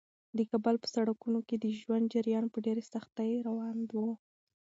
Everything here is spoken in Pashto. د کابل په سړکونو کې د ژوند جریان په ډېرې سختۍ روان و.